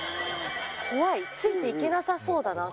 ついていけなさそうだな。